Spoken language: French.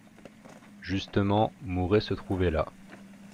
Justement, Mouret se trouvait là.